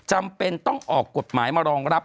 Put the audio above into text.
จำเป็นต้องออกกฎหมายมารองรับ